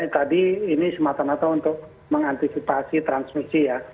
tadi ini semata mata untuk mengantisipasi transmisi ya